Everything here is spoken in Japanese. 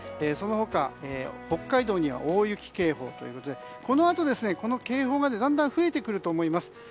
その他、北海道には大雪警報ということでこのあと、この警報がだんだん増えてくると思います。